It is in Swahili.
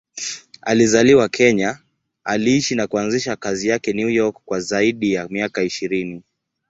Alizaliwa Kenya, aliishi na kuanzisha kazi zake New York kwa zaidi ya miaka ishirini.